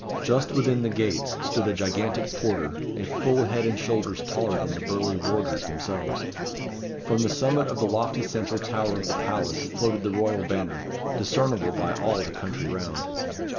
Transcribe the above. Just within the gates stood a gigantic porter, a full head and shoulders taller than the burly warders themselves. From the summit of the lofty central tower of the palace floated the royal banner, discernible by all the country round.